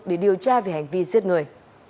để điều tra về hành vi giết người